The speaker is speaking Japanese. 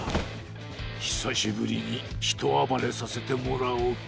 ひさしぶりにひとあばれさせてもらおうか。